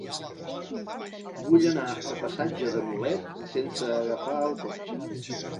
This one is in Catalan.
Vull anar al passatge de Mulet sense agafar el cotxe.